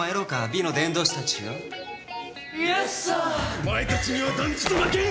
お前たちには断じて負けん！